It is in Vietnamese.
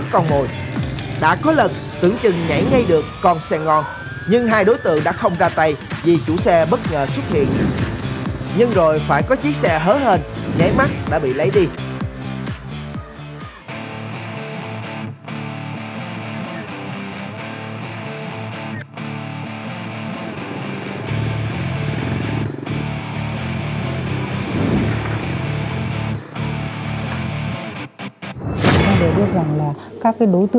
chắc chừng nhảy ngay được con xe ngon nhưng hai đối tượng đã không ra tay vì chủ xe bất ngờ xuất